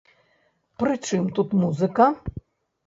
Пры чым тут музыка?